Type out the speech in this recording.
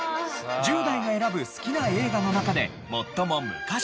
１０代が選ぶ好きな映画の中で最も昔の作品。